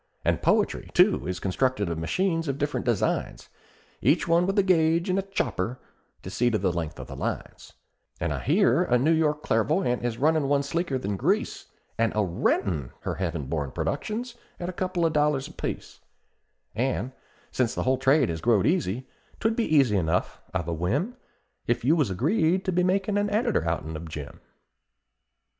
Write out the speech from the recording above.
And poetry, too, is constructed by machines of different designs, Each one with a gauge and a chopper to see to the length of the lines; And I hear a New York clairvoyant is runnin' one sleeker than grease, And a rentin' her heaven born productions at a couple of dollars apiece; An' since the whole trade has growed easy, 'twould be easy enough, I've a whim, If you was agreed, to be makin' an editor outen of Jim!"